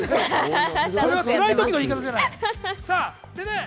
それはつらい時の言い方じゃない。